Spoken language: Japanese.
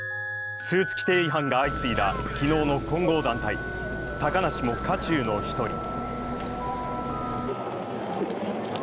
スーツ規定違反が相次いだ、昨日の混合団体、高梨も渦中の１人。